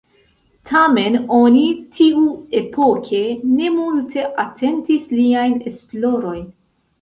Tamen oni tiuepoke ne multe atentis liajn esplorojn.